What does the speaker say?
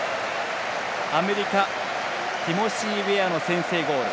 アメリカ、ティモシー・ウェアの先制ゴール。